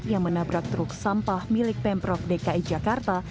yang menabrak truk sampah milik pemprov dki jakarta